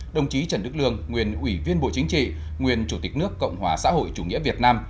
đồng chí trần đức lương nguyên ủy viên bộ chính trị nguyên chủ tịch nước cộng hòa xã hội chủ nghĩa việt nam